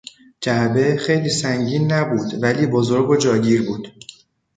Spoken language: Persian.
جعبه خیلی سنگین نبود ولی بزرگ و جاگیر بود.